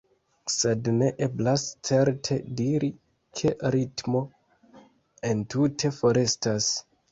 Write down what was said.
Sed ne eblas, certe, diri, ke ritmo entute forestas.